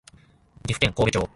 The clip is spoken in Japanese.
岐阜県神戸町